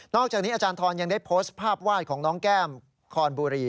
อกจากนี้อาจารย์ทรยังได้โพสต์ภาพวาดของน้องแก้มคอนบุรี